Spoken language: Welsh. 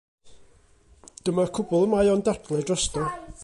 Dyma'r cwbl y mae o'n dadlau drosto.